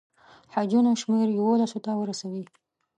حجونو شمېر یوولسو ته ورسوي.